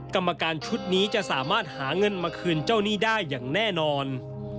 กรรมการชุดนี้จะสามารถหาเงินมาคืนเจ้าหนี้ได้อย่างแน่นอน